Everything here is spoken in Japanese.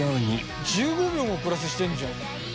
１５秒もプラスしてんじゃん。